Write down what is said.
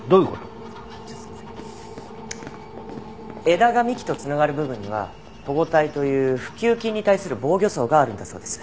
枝が幹と繋がる部分には保護帯という腐朽菌に対する防御層があるんだそうです。